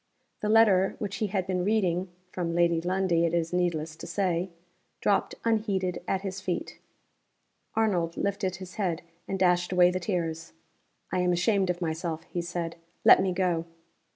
The letter which he had been reading (from Lady Lundie, it is needless to say), dropped unheeded at his feet. Arnold lifted his head, and dashed away the tears. "I am ashamed of myself," he said. "Let me go."